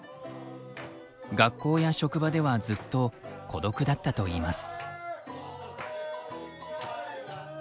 学校や職場ではずっと孤独だったといいます。